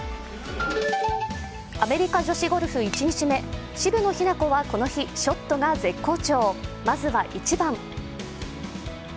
アメリカ女子ゴルフ１日目、渋野日向子はこの日、ショットが絶好調、まずは１番。